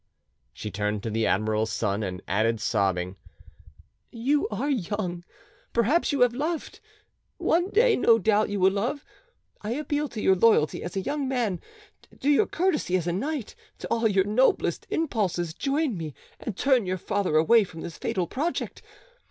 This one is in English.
She turned to the admiral's son; and added, sobbing— "You are young, perhaps you have loved: one day no doubt you will love. I appeal to your loyalty as a young man, to your courtesy as a knight, to all your noblest impulses; join me, and turn your father away from his fatal project.